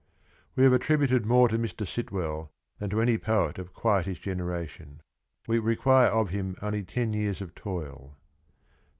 We have attributed more to Mr. Sitwell than to any poet of quite his generation. We require of him only ten years of toil.